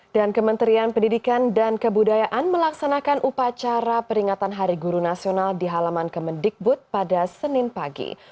dan kementerian pendidikan dan kebudayaan melaksanakan upacara peringatan hari guru nasional di halaman kemendikbud pada senin pagi